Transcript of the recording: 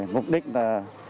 mục đích là